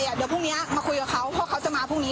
เดี๋ยวพรุ่งนี้มาคุยกับเขาพวกเขาจะมาพรุ่งนี้